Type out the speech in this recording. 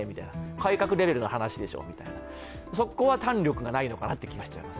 改革レベルの話でしょみたいな、そこは胆力がないのかなと思います。